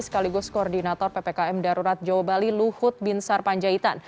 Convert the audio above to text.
sekaligus koordinator ppkm darurat jawa bali luhut binsar panjaitan